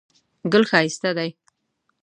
ګل ښایسته دی.